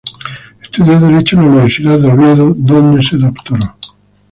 Estudió Derecho en la Universidad de Oviedo, donde se doctoró.